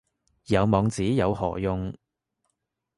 有網址有何用